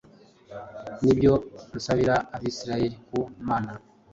n’ibyo nsabira Abisirayeli ku Mana,